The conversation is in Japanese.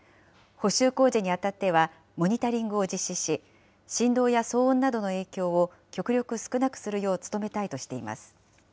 補修工事にあたっては、モニタリングを実施し、振動や騒音などの影響を極力少なくするよう努めたいとしています。